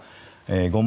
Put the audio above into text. ５万